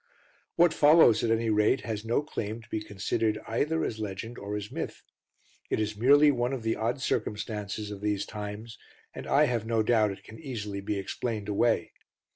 What follows, at any rate, has no claim to be considered either as legend or as myth. It is merely one of the odd circumstances of these times, and I have no doubt it can easily be "explained away."